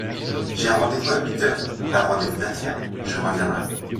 J’ai un rendez-vous à huit heures… un rendez-vous d’affaires… je reviendrai…